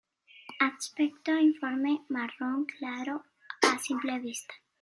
Aspecto uniforme marrón claro a simple vista.